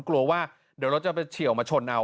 กลัวว่าเดี๋ยวรถจะไปเฉียวมาชนเอา